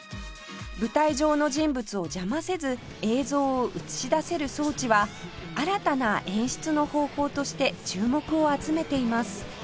舞台上の人物を邪魔せず映像を映し出せる装置は新たな演出の方法として注目を集めています